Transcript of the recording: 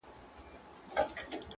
لار به څرنګه مهار سي د پېړیو د خونیانو؛